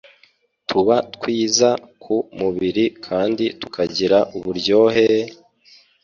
tuba twiza ku mubiri kandi tukagira uburyohe. …